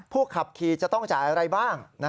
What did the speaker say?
ขับขี่จะต้องจ่ายอะไรบ้าง